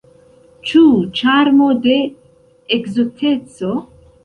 Ĉu ĉarmo de ekzoteco?